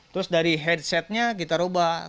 terus dari headsetnya kita ubah